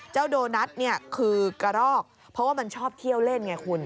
โดนัทเนี่ยคือกระรอกเพราะว่ามันชอบเที่ยวเล่นไงคุณ